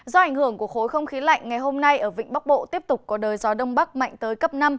do ảnh hưởng của khối không khí lạnh ngày hôm nay ở vịnh bắc bộ tiếp tục có đời gió đông bắc mạnh tới cấp năm